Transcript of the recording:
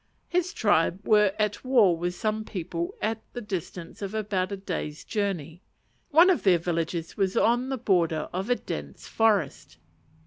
His tribe were at war with some people at the distance of about a day's journey. One of their villages was on the border of a dense forest.